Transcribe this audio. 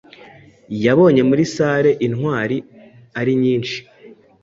Yabonye muri salle intwari ari nyinshi